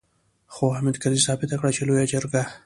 خو حامد کرزي ثابته کړه چې لويه جرګه.